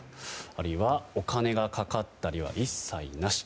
あるいはお金がかかったりは一切なし。